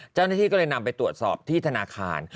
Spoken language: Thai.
เจ้าหน้าที่ก็เลยนำไปตรวจสอบที่ธนาคาร